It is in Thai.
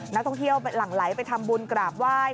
นักท่องเที่ยวหลั่งไหลไปทำบุญกราบไหว้